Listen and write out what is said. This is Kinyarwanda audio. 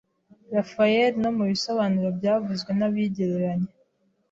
Raphael no mu bisobanuro byavuzwe n'ababigereranya